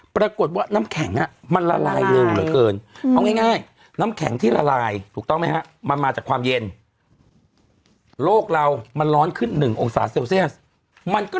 ปรากฏว่าน้ำแข็งอ่ะมันละลายเลิกเกินเอาง่าย